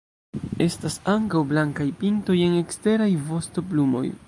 Estas ankaŭ blankaj pintoj en eksteraj vostoplumoj.